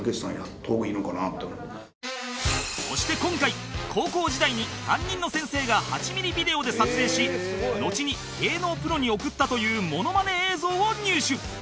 そして今回高校時代に担任の先生が８ミリビデオで撮影しのちに芸能プロに送ったというモノマネ映像を入手